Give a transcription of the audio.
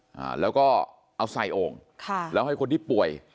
อ่าแล้วก็เอาใส่โอ่งค่ะแล้วให้คนที่ป่วย